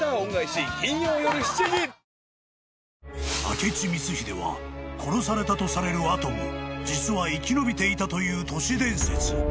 ［明智光秀は殺されたとされる後も実は生き延びていたという都市伝説］